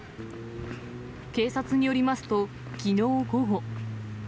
警察によりますと、きのう午後。